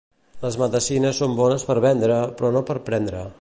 Les medecines són bones per vendre, però no per prendre.